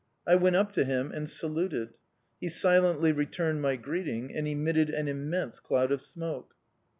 I went up to him and saluted. He silently returned my greeting and emitted an immense cloud of smoke.